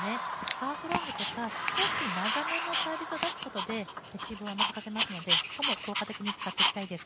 ハーフロングとか、少し長めのサービスを出すことでレシーブは甘くさせますので、そこは効果的に使っていきたいです。